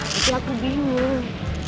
tapi aku bingung